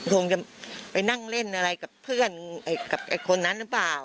คงจะไปนั่งเล่นอะไรกับเพื่อนกับคนนั้นหรือเปล่า